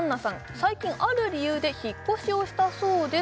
最近ある理由で引っ越しをしたそうです